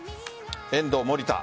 遠藤、守田。